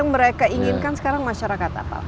yang mereka inginkan sekarang masyarakat apa